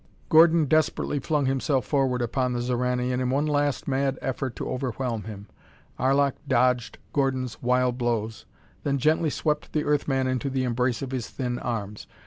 Gordon desperately flung himself forward upon the Xoranian in one last mad effort to overwhelm him. Arlok dodged Gordon's wild blows, then gently swept the Earth man into the embrace of his thin arms.